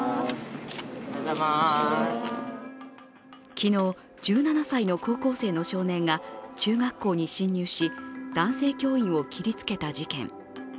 昨日、１７歳の高校生の少年が中学校に侵入し男性教員を切りつけた事件。